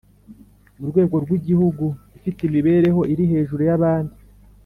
mu rwego rw'igihugu ifite imibereho iri hejuru y'abandi.